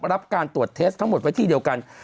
รับการตรวจเทสทั้งหมดไว้ที่เดียวกัน